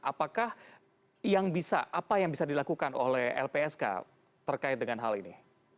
apakah yang bisa apa yang bisa dilakukan oleh lpsk terkait dengan hal ini